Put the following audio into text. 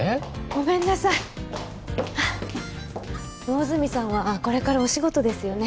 ごめんなさい魚住さんはこれからお仕事ですよね